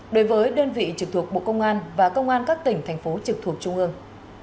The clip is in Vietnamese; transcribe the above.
đối với đơn vị trực thuộc bộ công an và công an các tỉnh thành phố trực thuộc trung ương